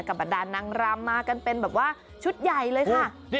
บรรดานนางรำมากันเป็นแบบว่าชุดใหญ่เลยค่ะ